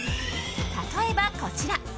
例えば、こちら。